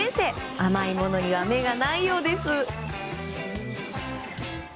甘いものには目がないようです。